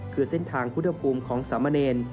คือเส้นทางพุทธภูมิของสามเณร